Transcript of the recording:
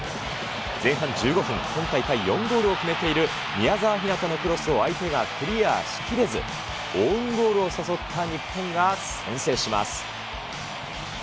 前半１５分、今大会４ゴールを決めている宮澤ひなたのクロスを相手がクリアしきれず、オウンゴールを誘った日本が先制します。